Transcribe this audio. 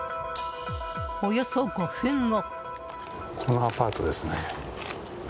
およそ５分後。